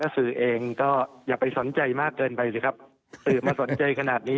สื่อเองก็อย่าไปสนใจมากเกินไปสิครับสื่อมาสนใจขนาดนี้